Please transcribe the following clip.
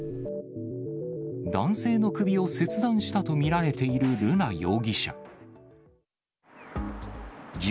男性の首を切断したと見られている瑠奈容疑者。